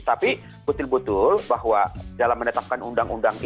tapi betul betul bahwa dalam menetapkan undang undang ini